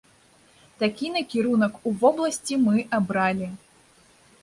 Такі накірунак у вобласці мы абралі.